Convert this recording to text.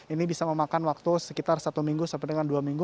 ini bisa memakan waktu sekitar satu minggu sampai dengan dua minggu